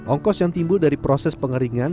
ongkos yang timbul dari proses pengeringan